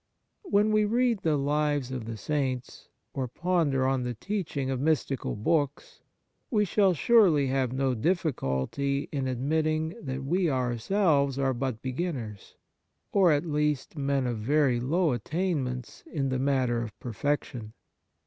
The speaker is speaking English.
When we read the lives of the saints, or ponder on the teaching of mystical books, we shall surely have no difHculty in admitting that we ourselves are but be ginners, or at least men of very low attain ments in the matter of perfection.